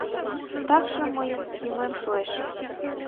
Такшым мыйын йӱмем шуэш.